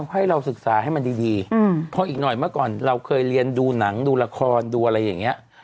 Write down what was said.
ให้เราศึกษาให้มันดีพออีกหน่อยเมื่อก่อนเราเคยเรียนดูหนังดูละครดูอะไรอย่างนี้